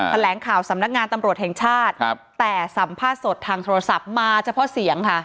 แถลงข่าวสำนักงานตำรวจแห่งชาติแต่สัมภาษณ์สดทางโทรศัพท์มาเฉพาะเสียงค่ะ